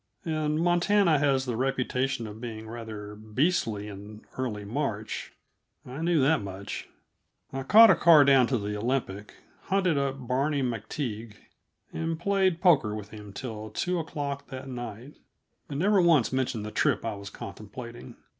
And Montana has the reputation of being rather beastly in early March I knew that much. I caught a car down to the Olympic, hunted up Barney MacTague, and played poker with him till two o'clock that night, and never once mentioned the trip I was contemplating.